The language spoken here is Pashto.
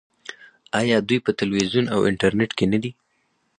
آیا دوی په تلویزیون او انټرنیټ کې نه دي؟